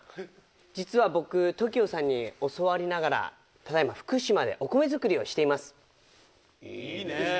実は僕ＴＯＫＩＯさんに教わりながらただ今福島でお米作りをしています。